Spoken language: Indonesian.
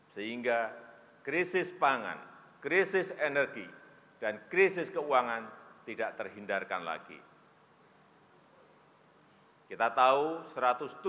sehingga krisis pangan krisis energi krisis keuntungan krisis kesehatan krisis penelitian krisis kewangan krisis kekuatan krisis kekuatan krisis kekuatan krisis kekuatan krisis kekuatan krisis kekuatan dan krisis kekuatan dan krisis kekuatan